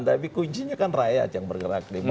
tapi kuncinya kan rakyat yang bergerak di bawah